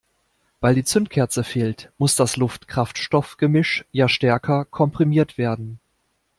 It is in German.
Weil die Zündkerze fehlt, muss das Luft-Kraftstoff-Gemisch ja stärker komprimiert werden.